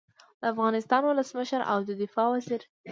د افغانستان ولسمشر او د دفاع وزیر